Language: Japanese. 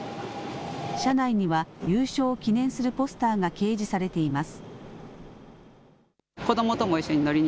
車内には優勝を記念するポスターが掲示されています。